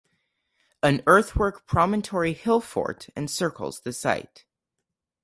An earthwork promontory hill fort encircles the site.